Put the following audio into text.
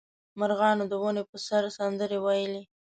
مرغانو د ونې په سر سندرې ویلې.